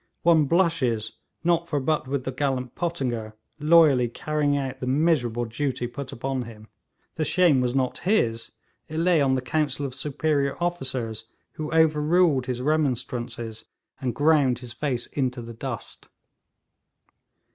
One blushes not for but with the gallant Pottinger, loyally carrying out the miserable duty put upon him. The shame was not his; it lay on the council of superior officers, who overruled his remonstrances, and ground his face into the dust.